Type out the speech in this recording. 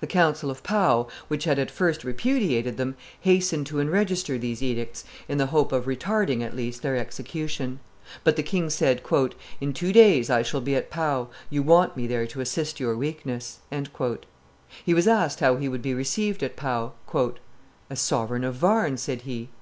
The council of Pau, which had at first repudiated them, hastened to enregister these edicts in the hope of retarding at least their execution; but the king said, "In two days I shall be at Pau; you want me there to assist your weakness." He was asked how he would be received at Pau. "As sovereign of Warn," said he.